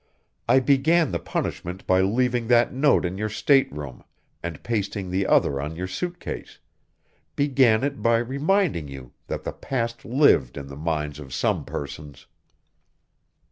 I began the punishment by leaving that note in your stateroom and pasting the other on your suit case, began it by reminding you that the past lived in the minds of some persons.